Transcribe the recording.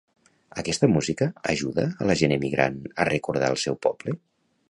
Aquesta música ajuda a la gent emigrant a recordar el seu poble?